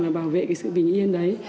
là bảo vệ cái sự bình yên đấy